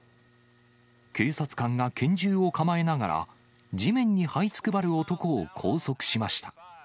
警察官が拳銃を構えながら、地面にはいつくばる男を拘束しました。